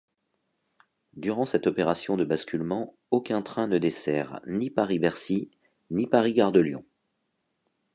Durant cette opération de basculement, aucun train ne dessert ni Paris-Bercy ni Paris-Gare-de-Lyon.